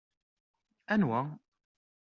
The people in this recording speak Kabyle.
Anwa?